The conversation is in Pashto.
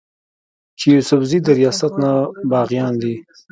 چې يوسفزي د رياست نه باغيان دي